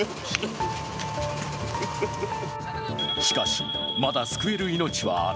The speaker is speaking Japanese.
しかし、まだ救える命はある。